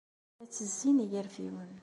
La tezzin igarfiwen.